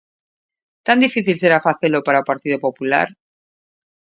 Tan difícil será facelo para o Partido Popular?